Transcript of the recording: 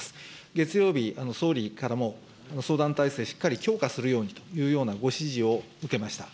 月曜日、総理からも相談体制しっかり強化するようにというようなご指示を受けました。